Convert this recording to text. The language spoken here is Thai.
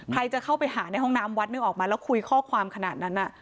ใครจะเข้าไปหาในห้องน้ำวัดนึกออกมาแล้วคุยข้อความขนาดนั้น